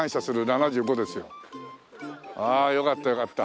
ああよかったよかった。